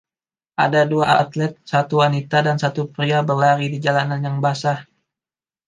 Ada dua atlet, satu wanita dan satu pria berlari di jalanan yang basah.